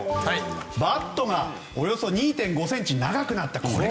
バットがおよそ２．５ｃｍ長くなったと。